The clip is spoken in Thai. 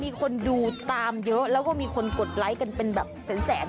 มีคนดูตามเยอะแล้วก็มีคนกดไลค์กันเป็นแบบแสน